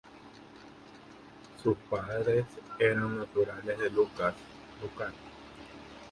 Sus padres eran naturales de Lúcar.